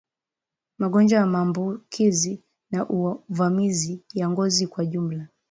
Magonjwa ya maambukizi na uvamizi ya ngozi kwa jumla